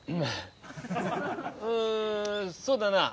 うんそうだなええ